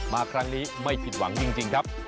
มาครั้งนี้ไม่ผิดหวังจริงครับ